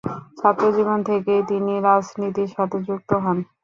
ছাত্রজীবন থেকেই তিনি রাজনীতির সাথে যুক্ত হন।